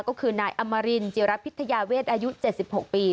ก็คือนายอมรินจิระพิทยาเวทอายุ๗๖ปี